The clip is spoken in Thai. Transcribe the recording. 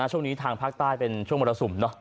ช่วงนี้ทางพลักษณ์ใต้เป็นช่วงมอเตอร์สุ่ม